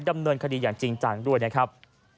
ดำเนินคดีอย่างจริงจังด้วยนะครับ